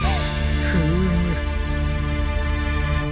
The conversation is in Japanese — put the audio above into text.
フーム。